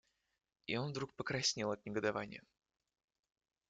И он вдруг покраснел от негодования.